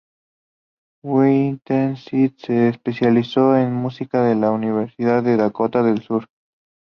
Whiteside se especializó en música en la Universidad de Dakota del Sur.